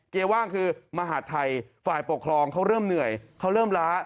ว่างคือมหาดไทยฝ่ายปกครองเขาเริ่มเหนื่อยเขาเริ่มล้า